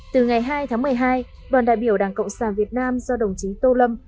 từ ngày hai tháng một mươi hai đoàn đại biểu đảng cộng sản việt nam do đồng chí tô lâm